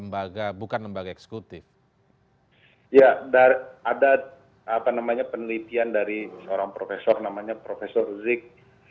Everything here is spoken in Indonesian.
saya baru baru nggak terlalu penuh saat dia k sales smooth